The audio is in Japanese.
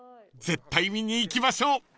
［絶対見に行きましょう］